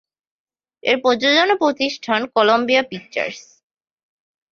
এর প্রযোজনা প্রতিষ্ঠান কলাম্বিয়া পিকচার্স।